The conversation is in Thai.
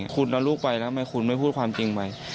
คุณเอาลูกไปแล้วทำไมคุณไม่พูดความจริงไป